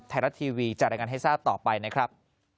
ไทยรัฐทีวีจะรายงานให้ทราบต่อไปนะครับ